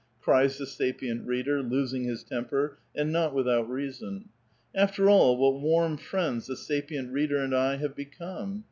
cries the sapient reader, losing his temper, and not without reason. After all, what warm friends the sapient reader and I have become